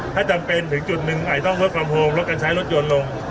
ถ้าจำเป็นถึงจุดหนึ่งอาจจะต้องลดความโฮมลดการใช้รถยนต์ลง